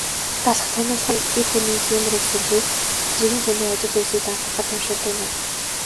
Далха тахиулах нь эр хүний хийморийг сэргээх, цэргийн хүний ажил үйлсийг даатгахад уншуулдаг ном.